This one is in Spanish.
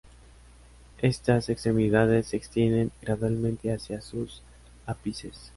Estas extremidades se extienden gradualmente hacia sus ápices.